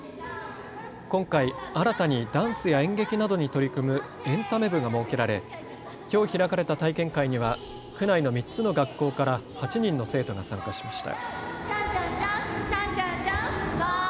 今回、新たにダンスや演劇などに取り組むエンタメ部が設けられきょう開かれた体験会には区内の３つの学校から８人の生徒が参加しました。